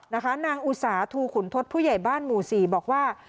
นางอุสาทูขุนทศผู้ใหญ่บ้านหมู่๔บอกว่า